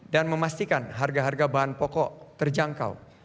dan memastikan harga harga bahan pokok terjangkau